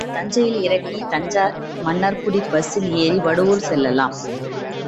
தஞ்சையில் இறங்கித் தஞ்சைமன்னார்குடி பஸ்ஸில் ஏறி வடுவூர் செல்லலாம்.